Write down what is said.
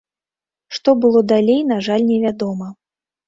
Што было далей, на жаль невядома.